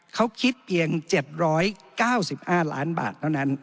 เขาคิดเพียง๗๙๕ล้านบาทเท่านั้น